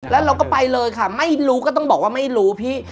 แล้วเราก็ไปเลยค่ะไม่รู้ก็ต้องบอกว่าไม่รู้พี่